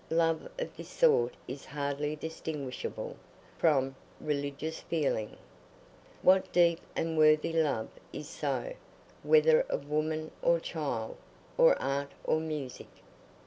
Love of this sort is hardly distinguishable from religious feeling. What deep and worthy love is so, whether of woman or child, or art or music.